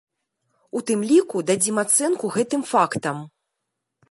У тым ліку дадзім ацэнку гэтым фактам.